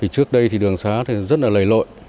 trước đây thì đường xá rất là lầy lội